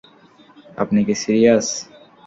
আপনি কি সিরিয়াস?